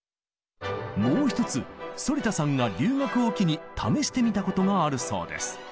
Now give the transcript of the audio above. もう一つ反田さんが留学を機に試してみたことがあるそうです。